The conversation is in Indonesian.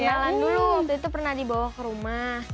jalanan dulu waktu itu pernah dibawa ke rumah